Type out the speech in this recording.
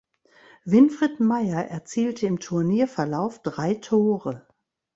Winfried Maier erzielte im Turnierverlauf drei Tore.